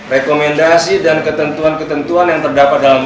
rekomendasi dan ketentuan ketentuan yang terdapat dalam